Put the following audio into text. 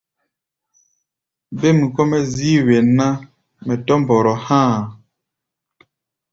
Bêm kɔ́-mɛ́ zíí wen ná, mɛ tɔ̧́ mbɔrɔ há̧ a̧.